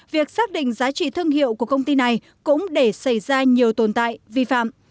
việc xác định giá trị thương hiệu của công ty này cũng để xảy ra nhiều tồn tại vi phạm